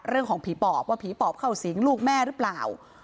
เรื่องของผีปอบว่าผีปอบเข้าสิงลูกแม่หรือเปล่า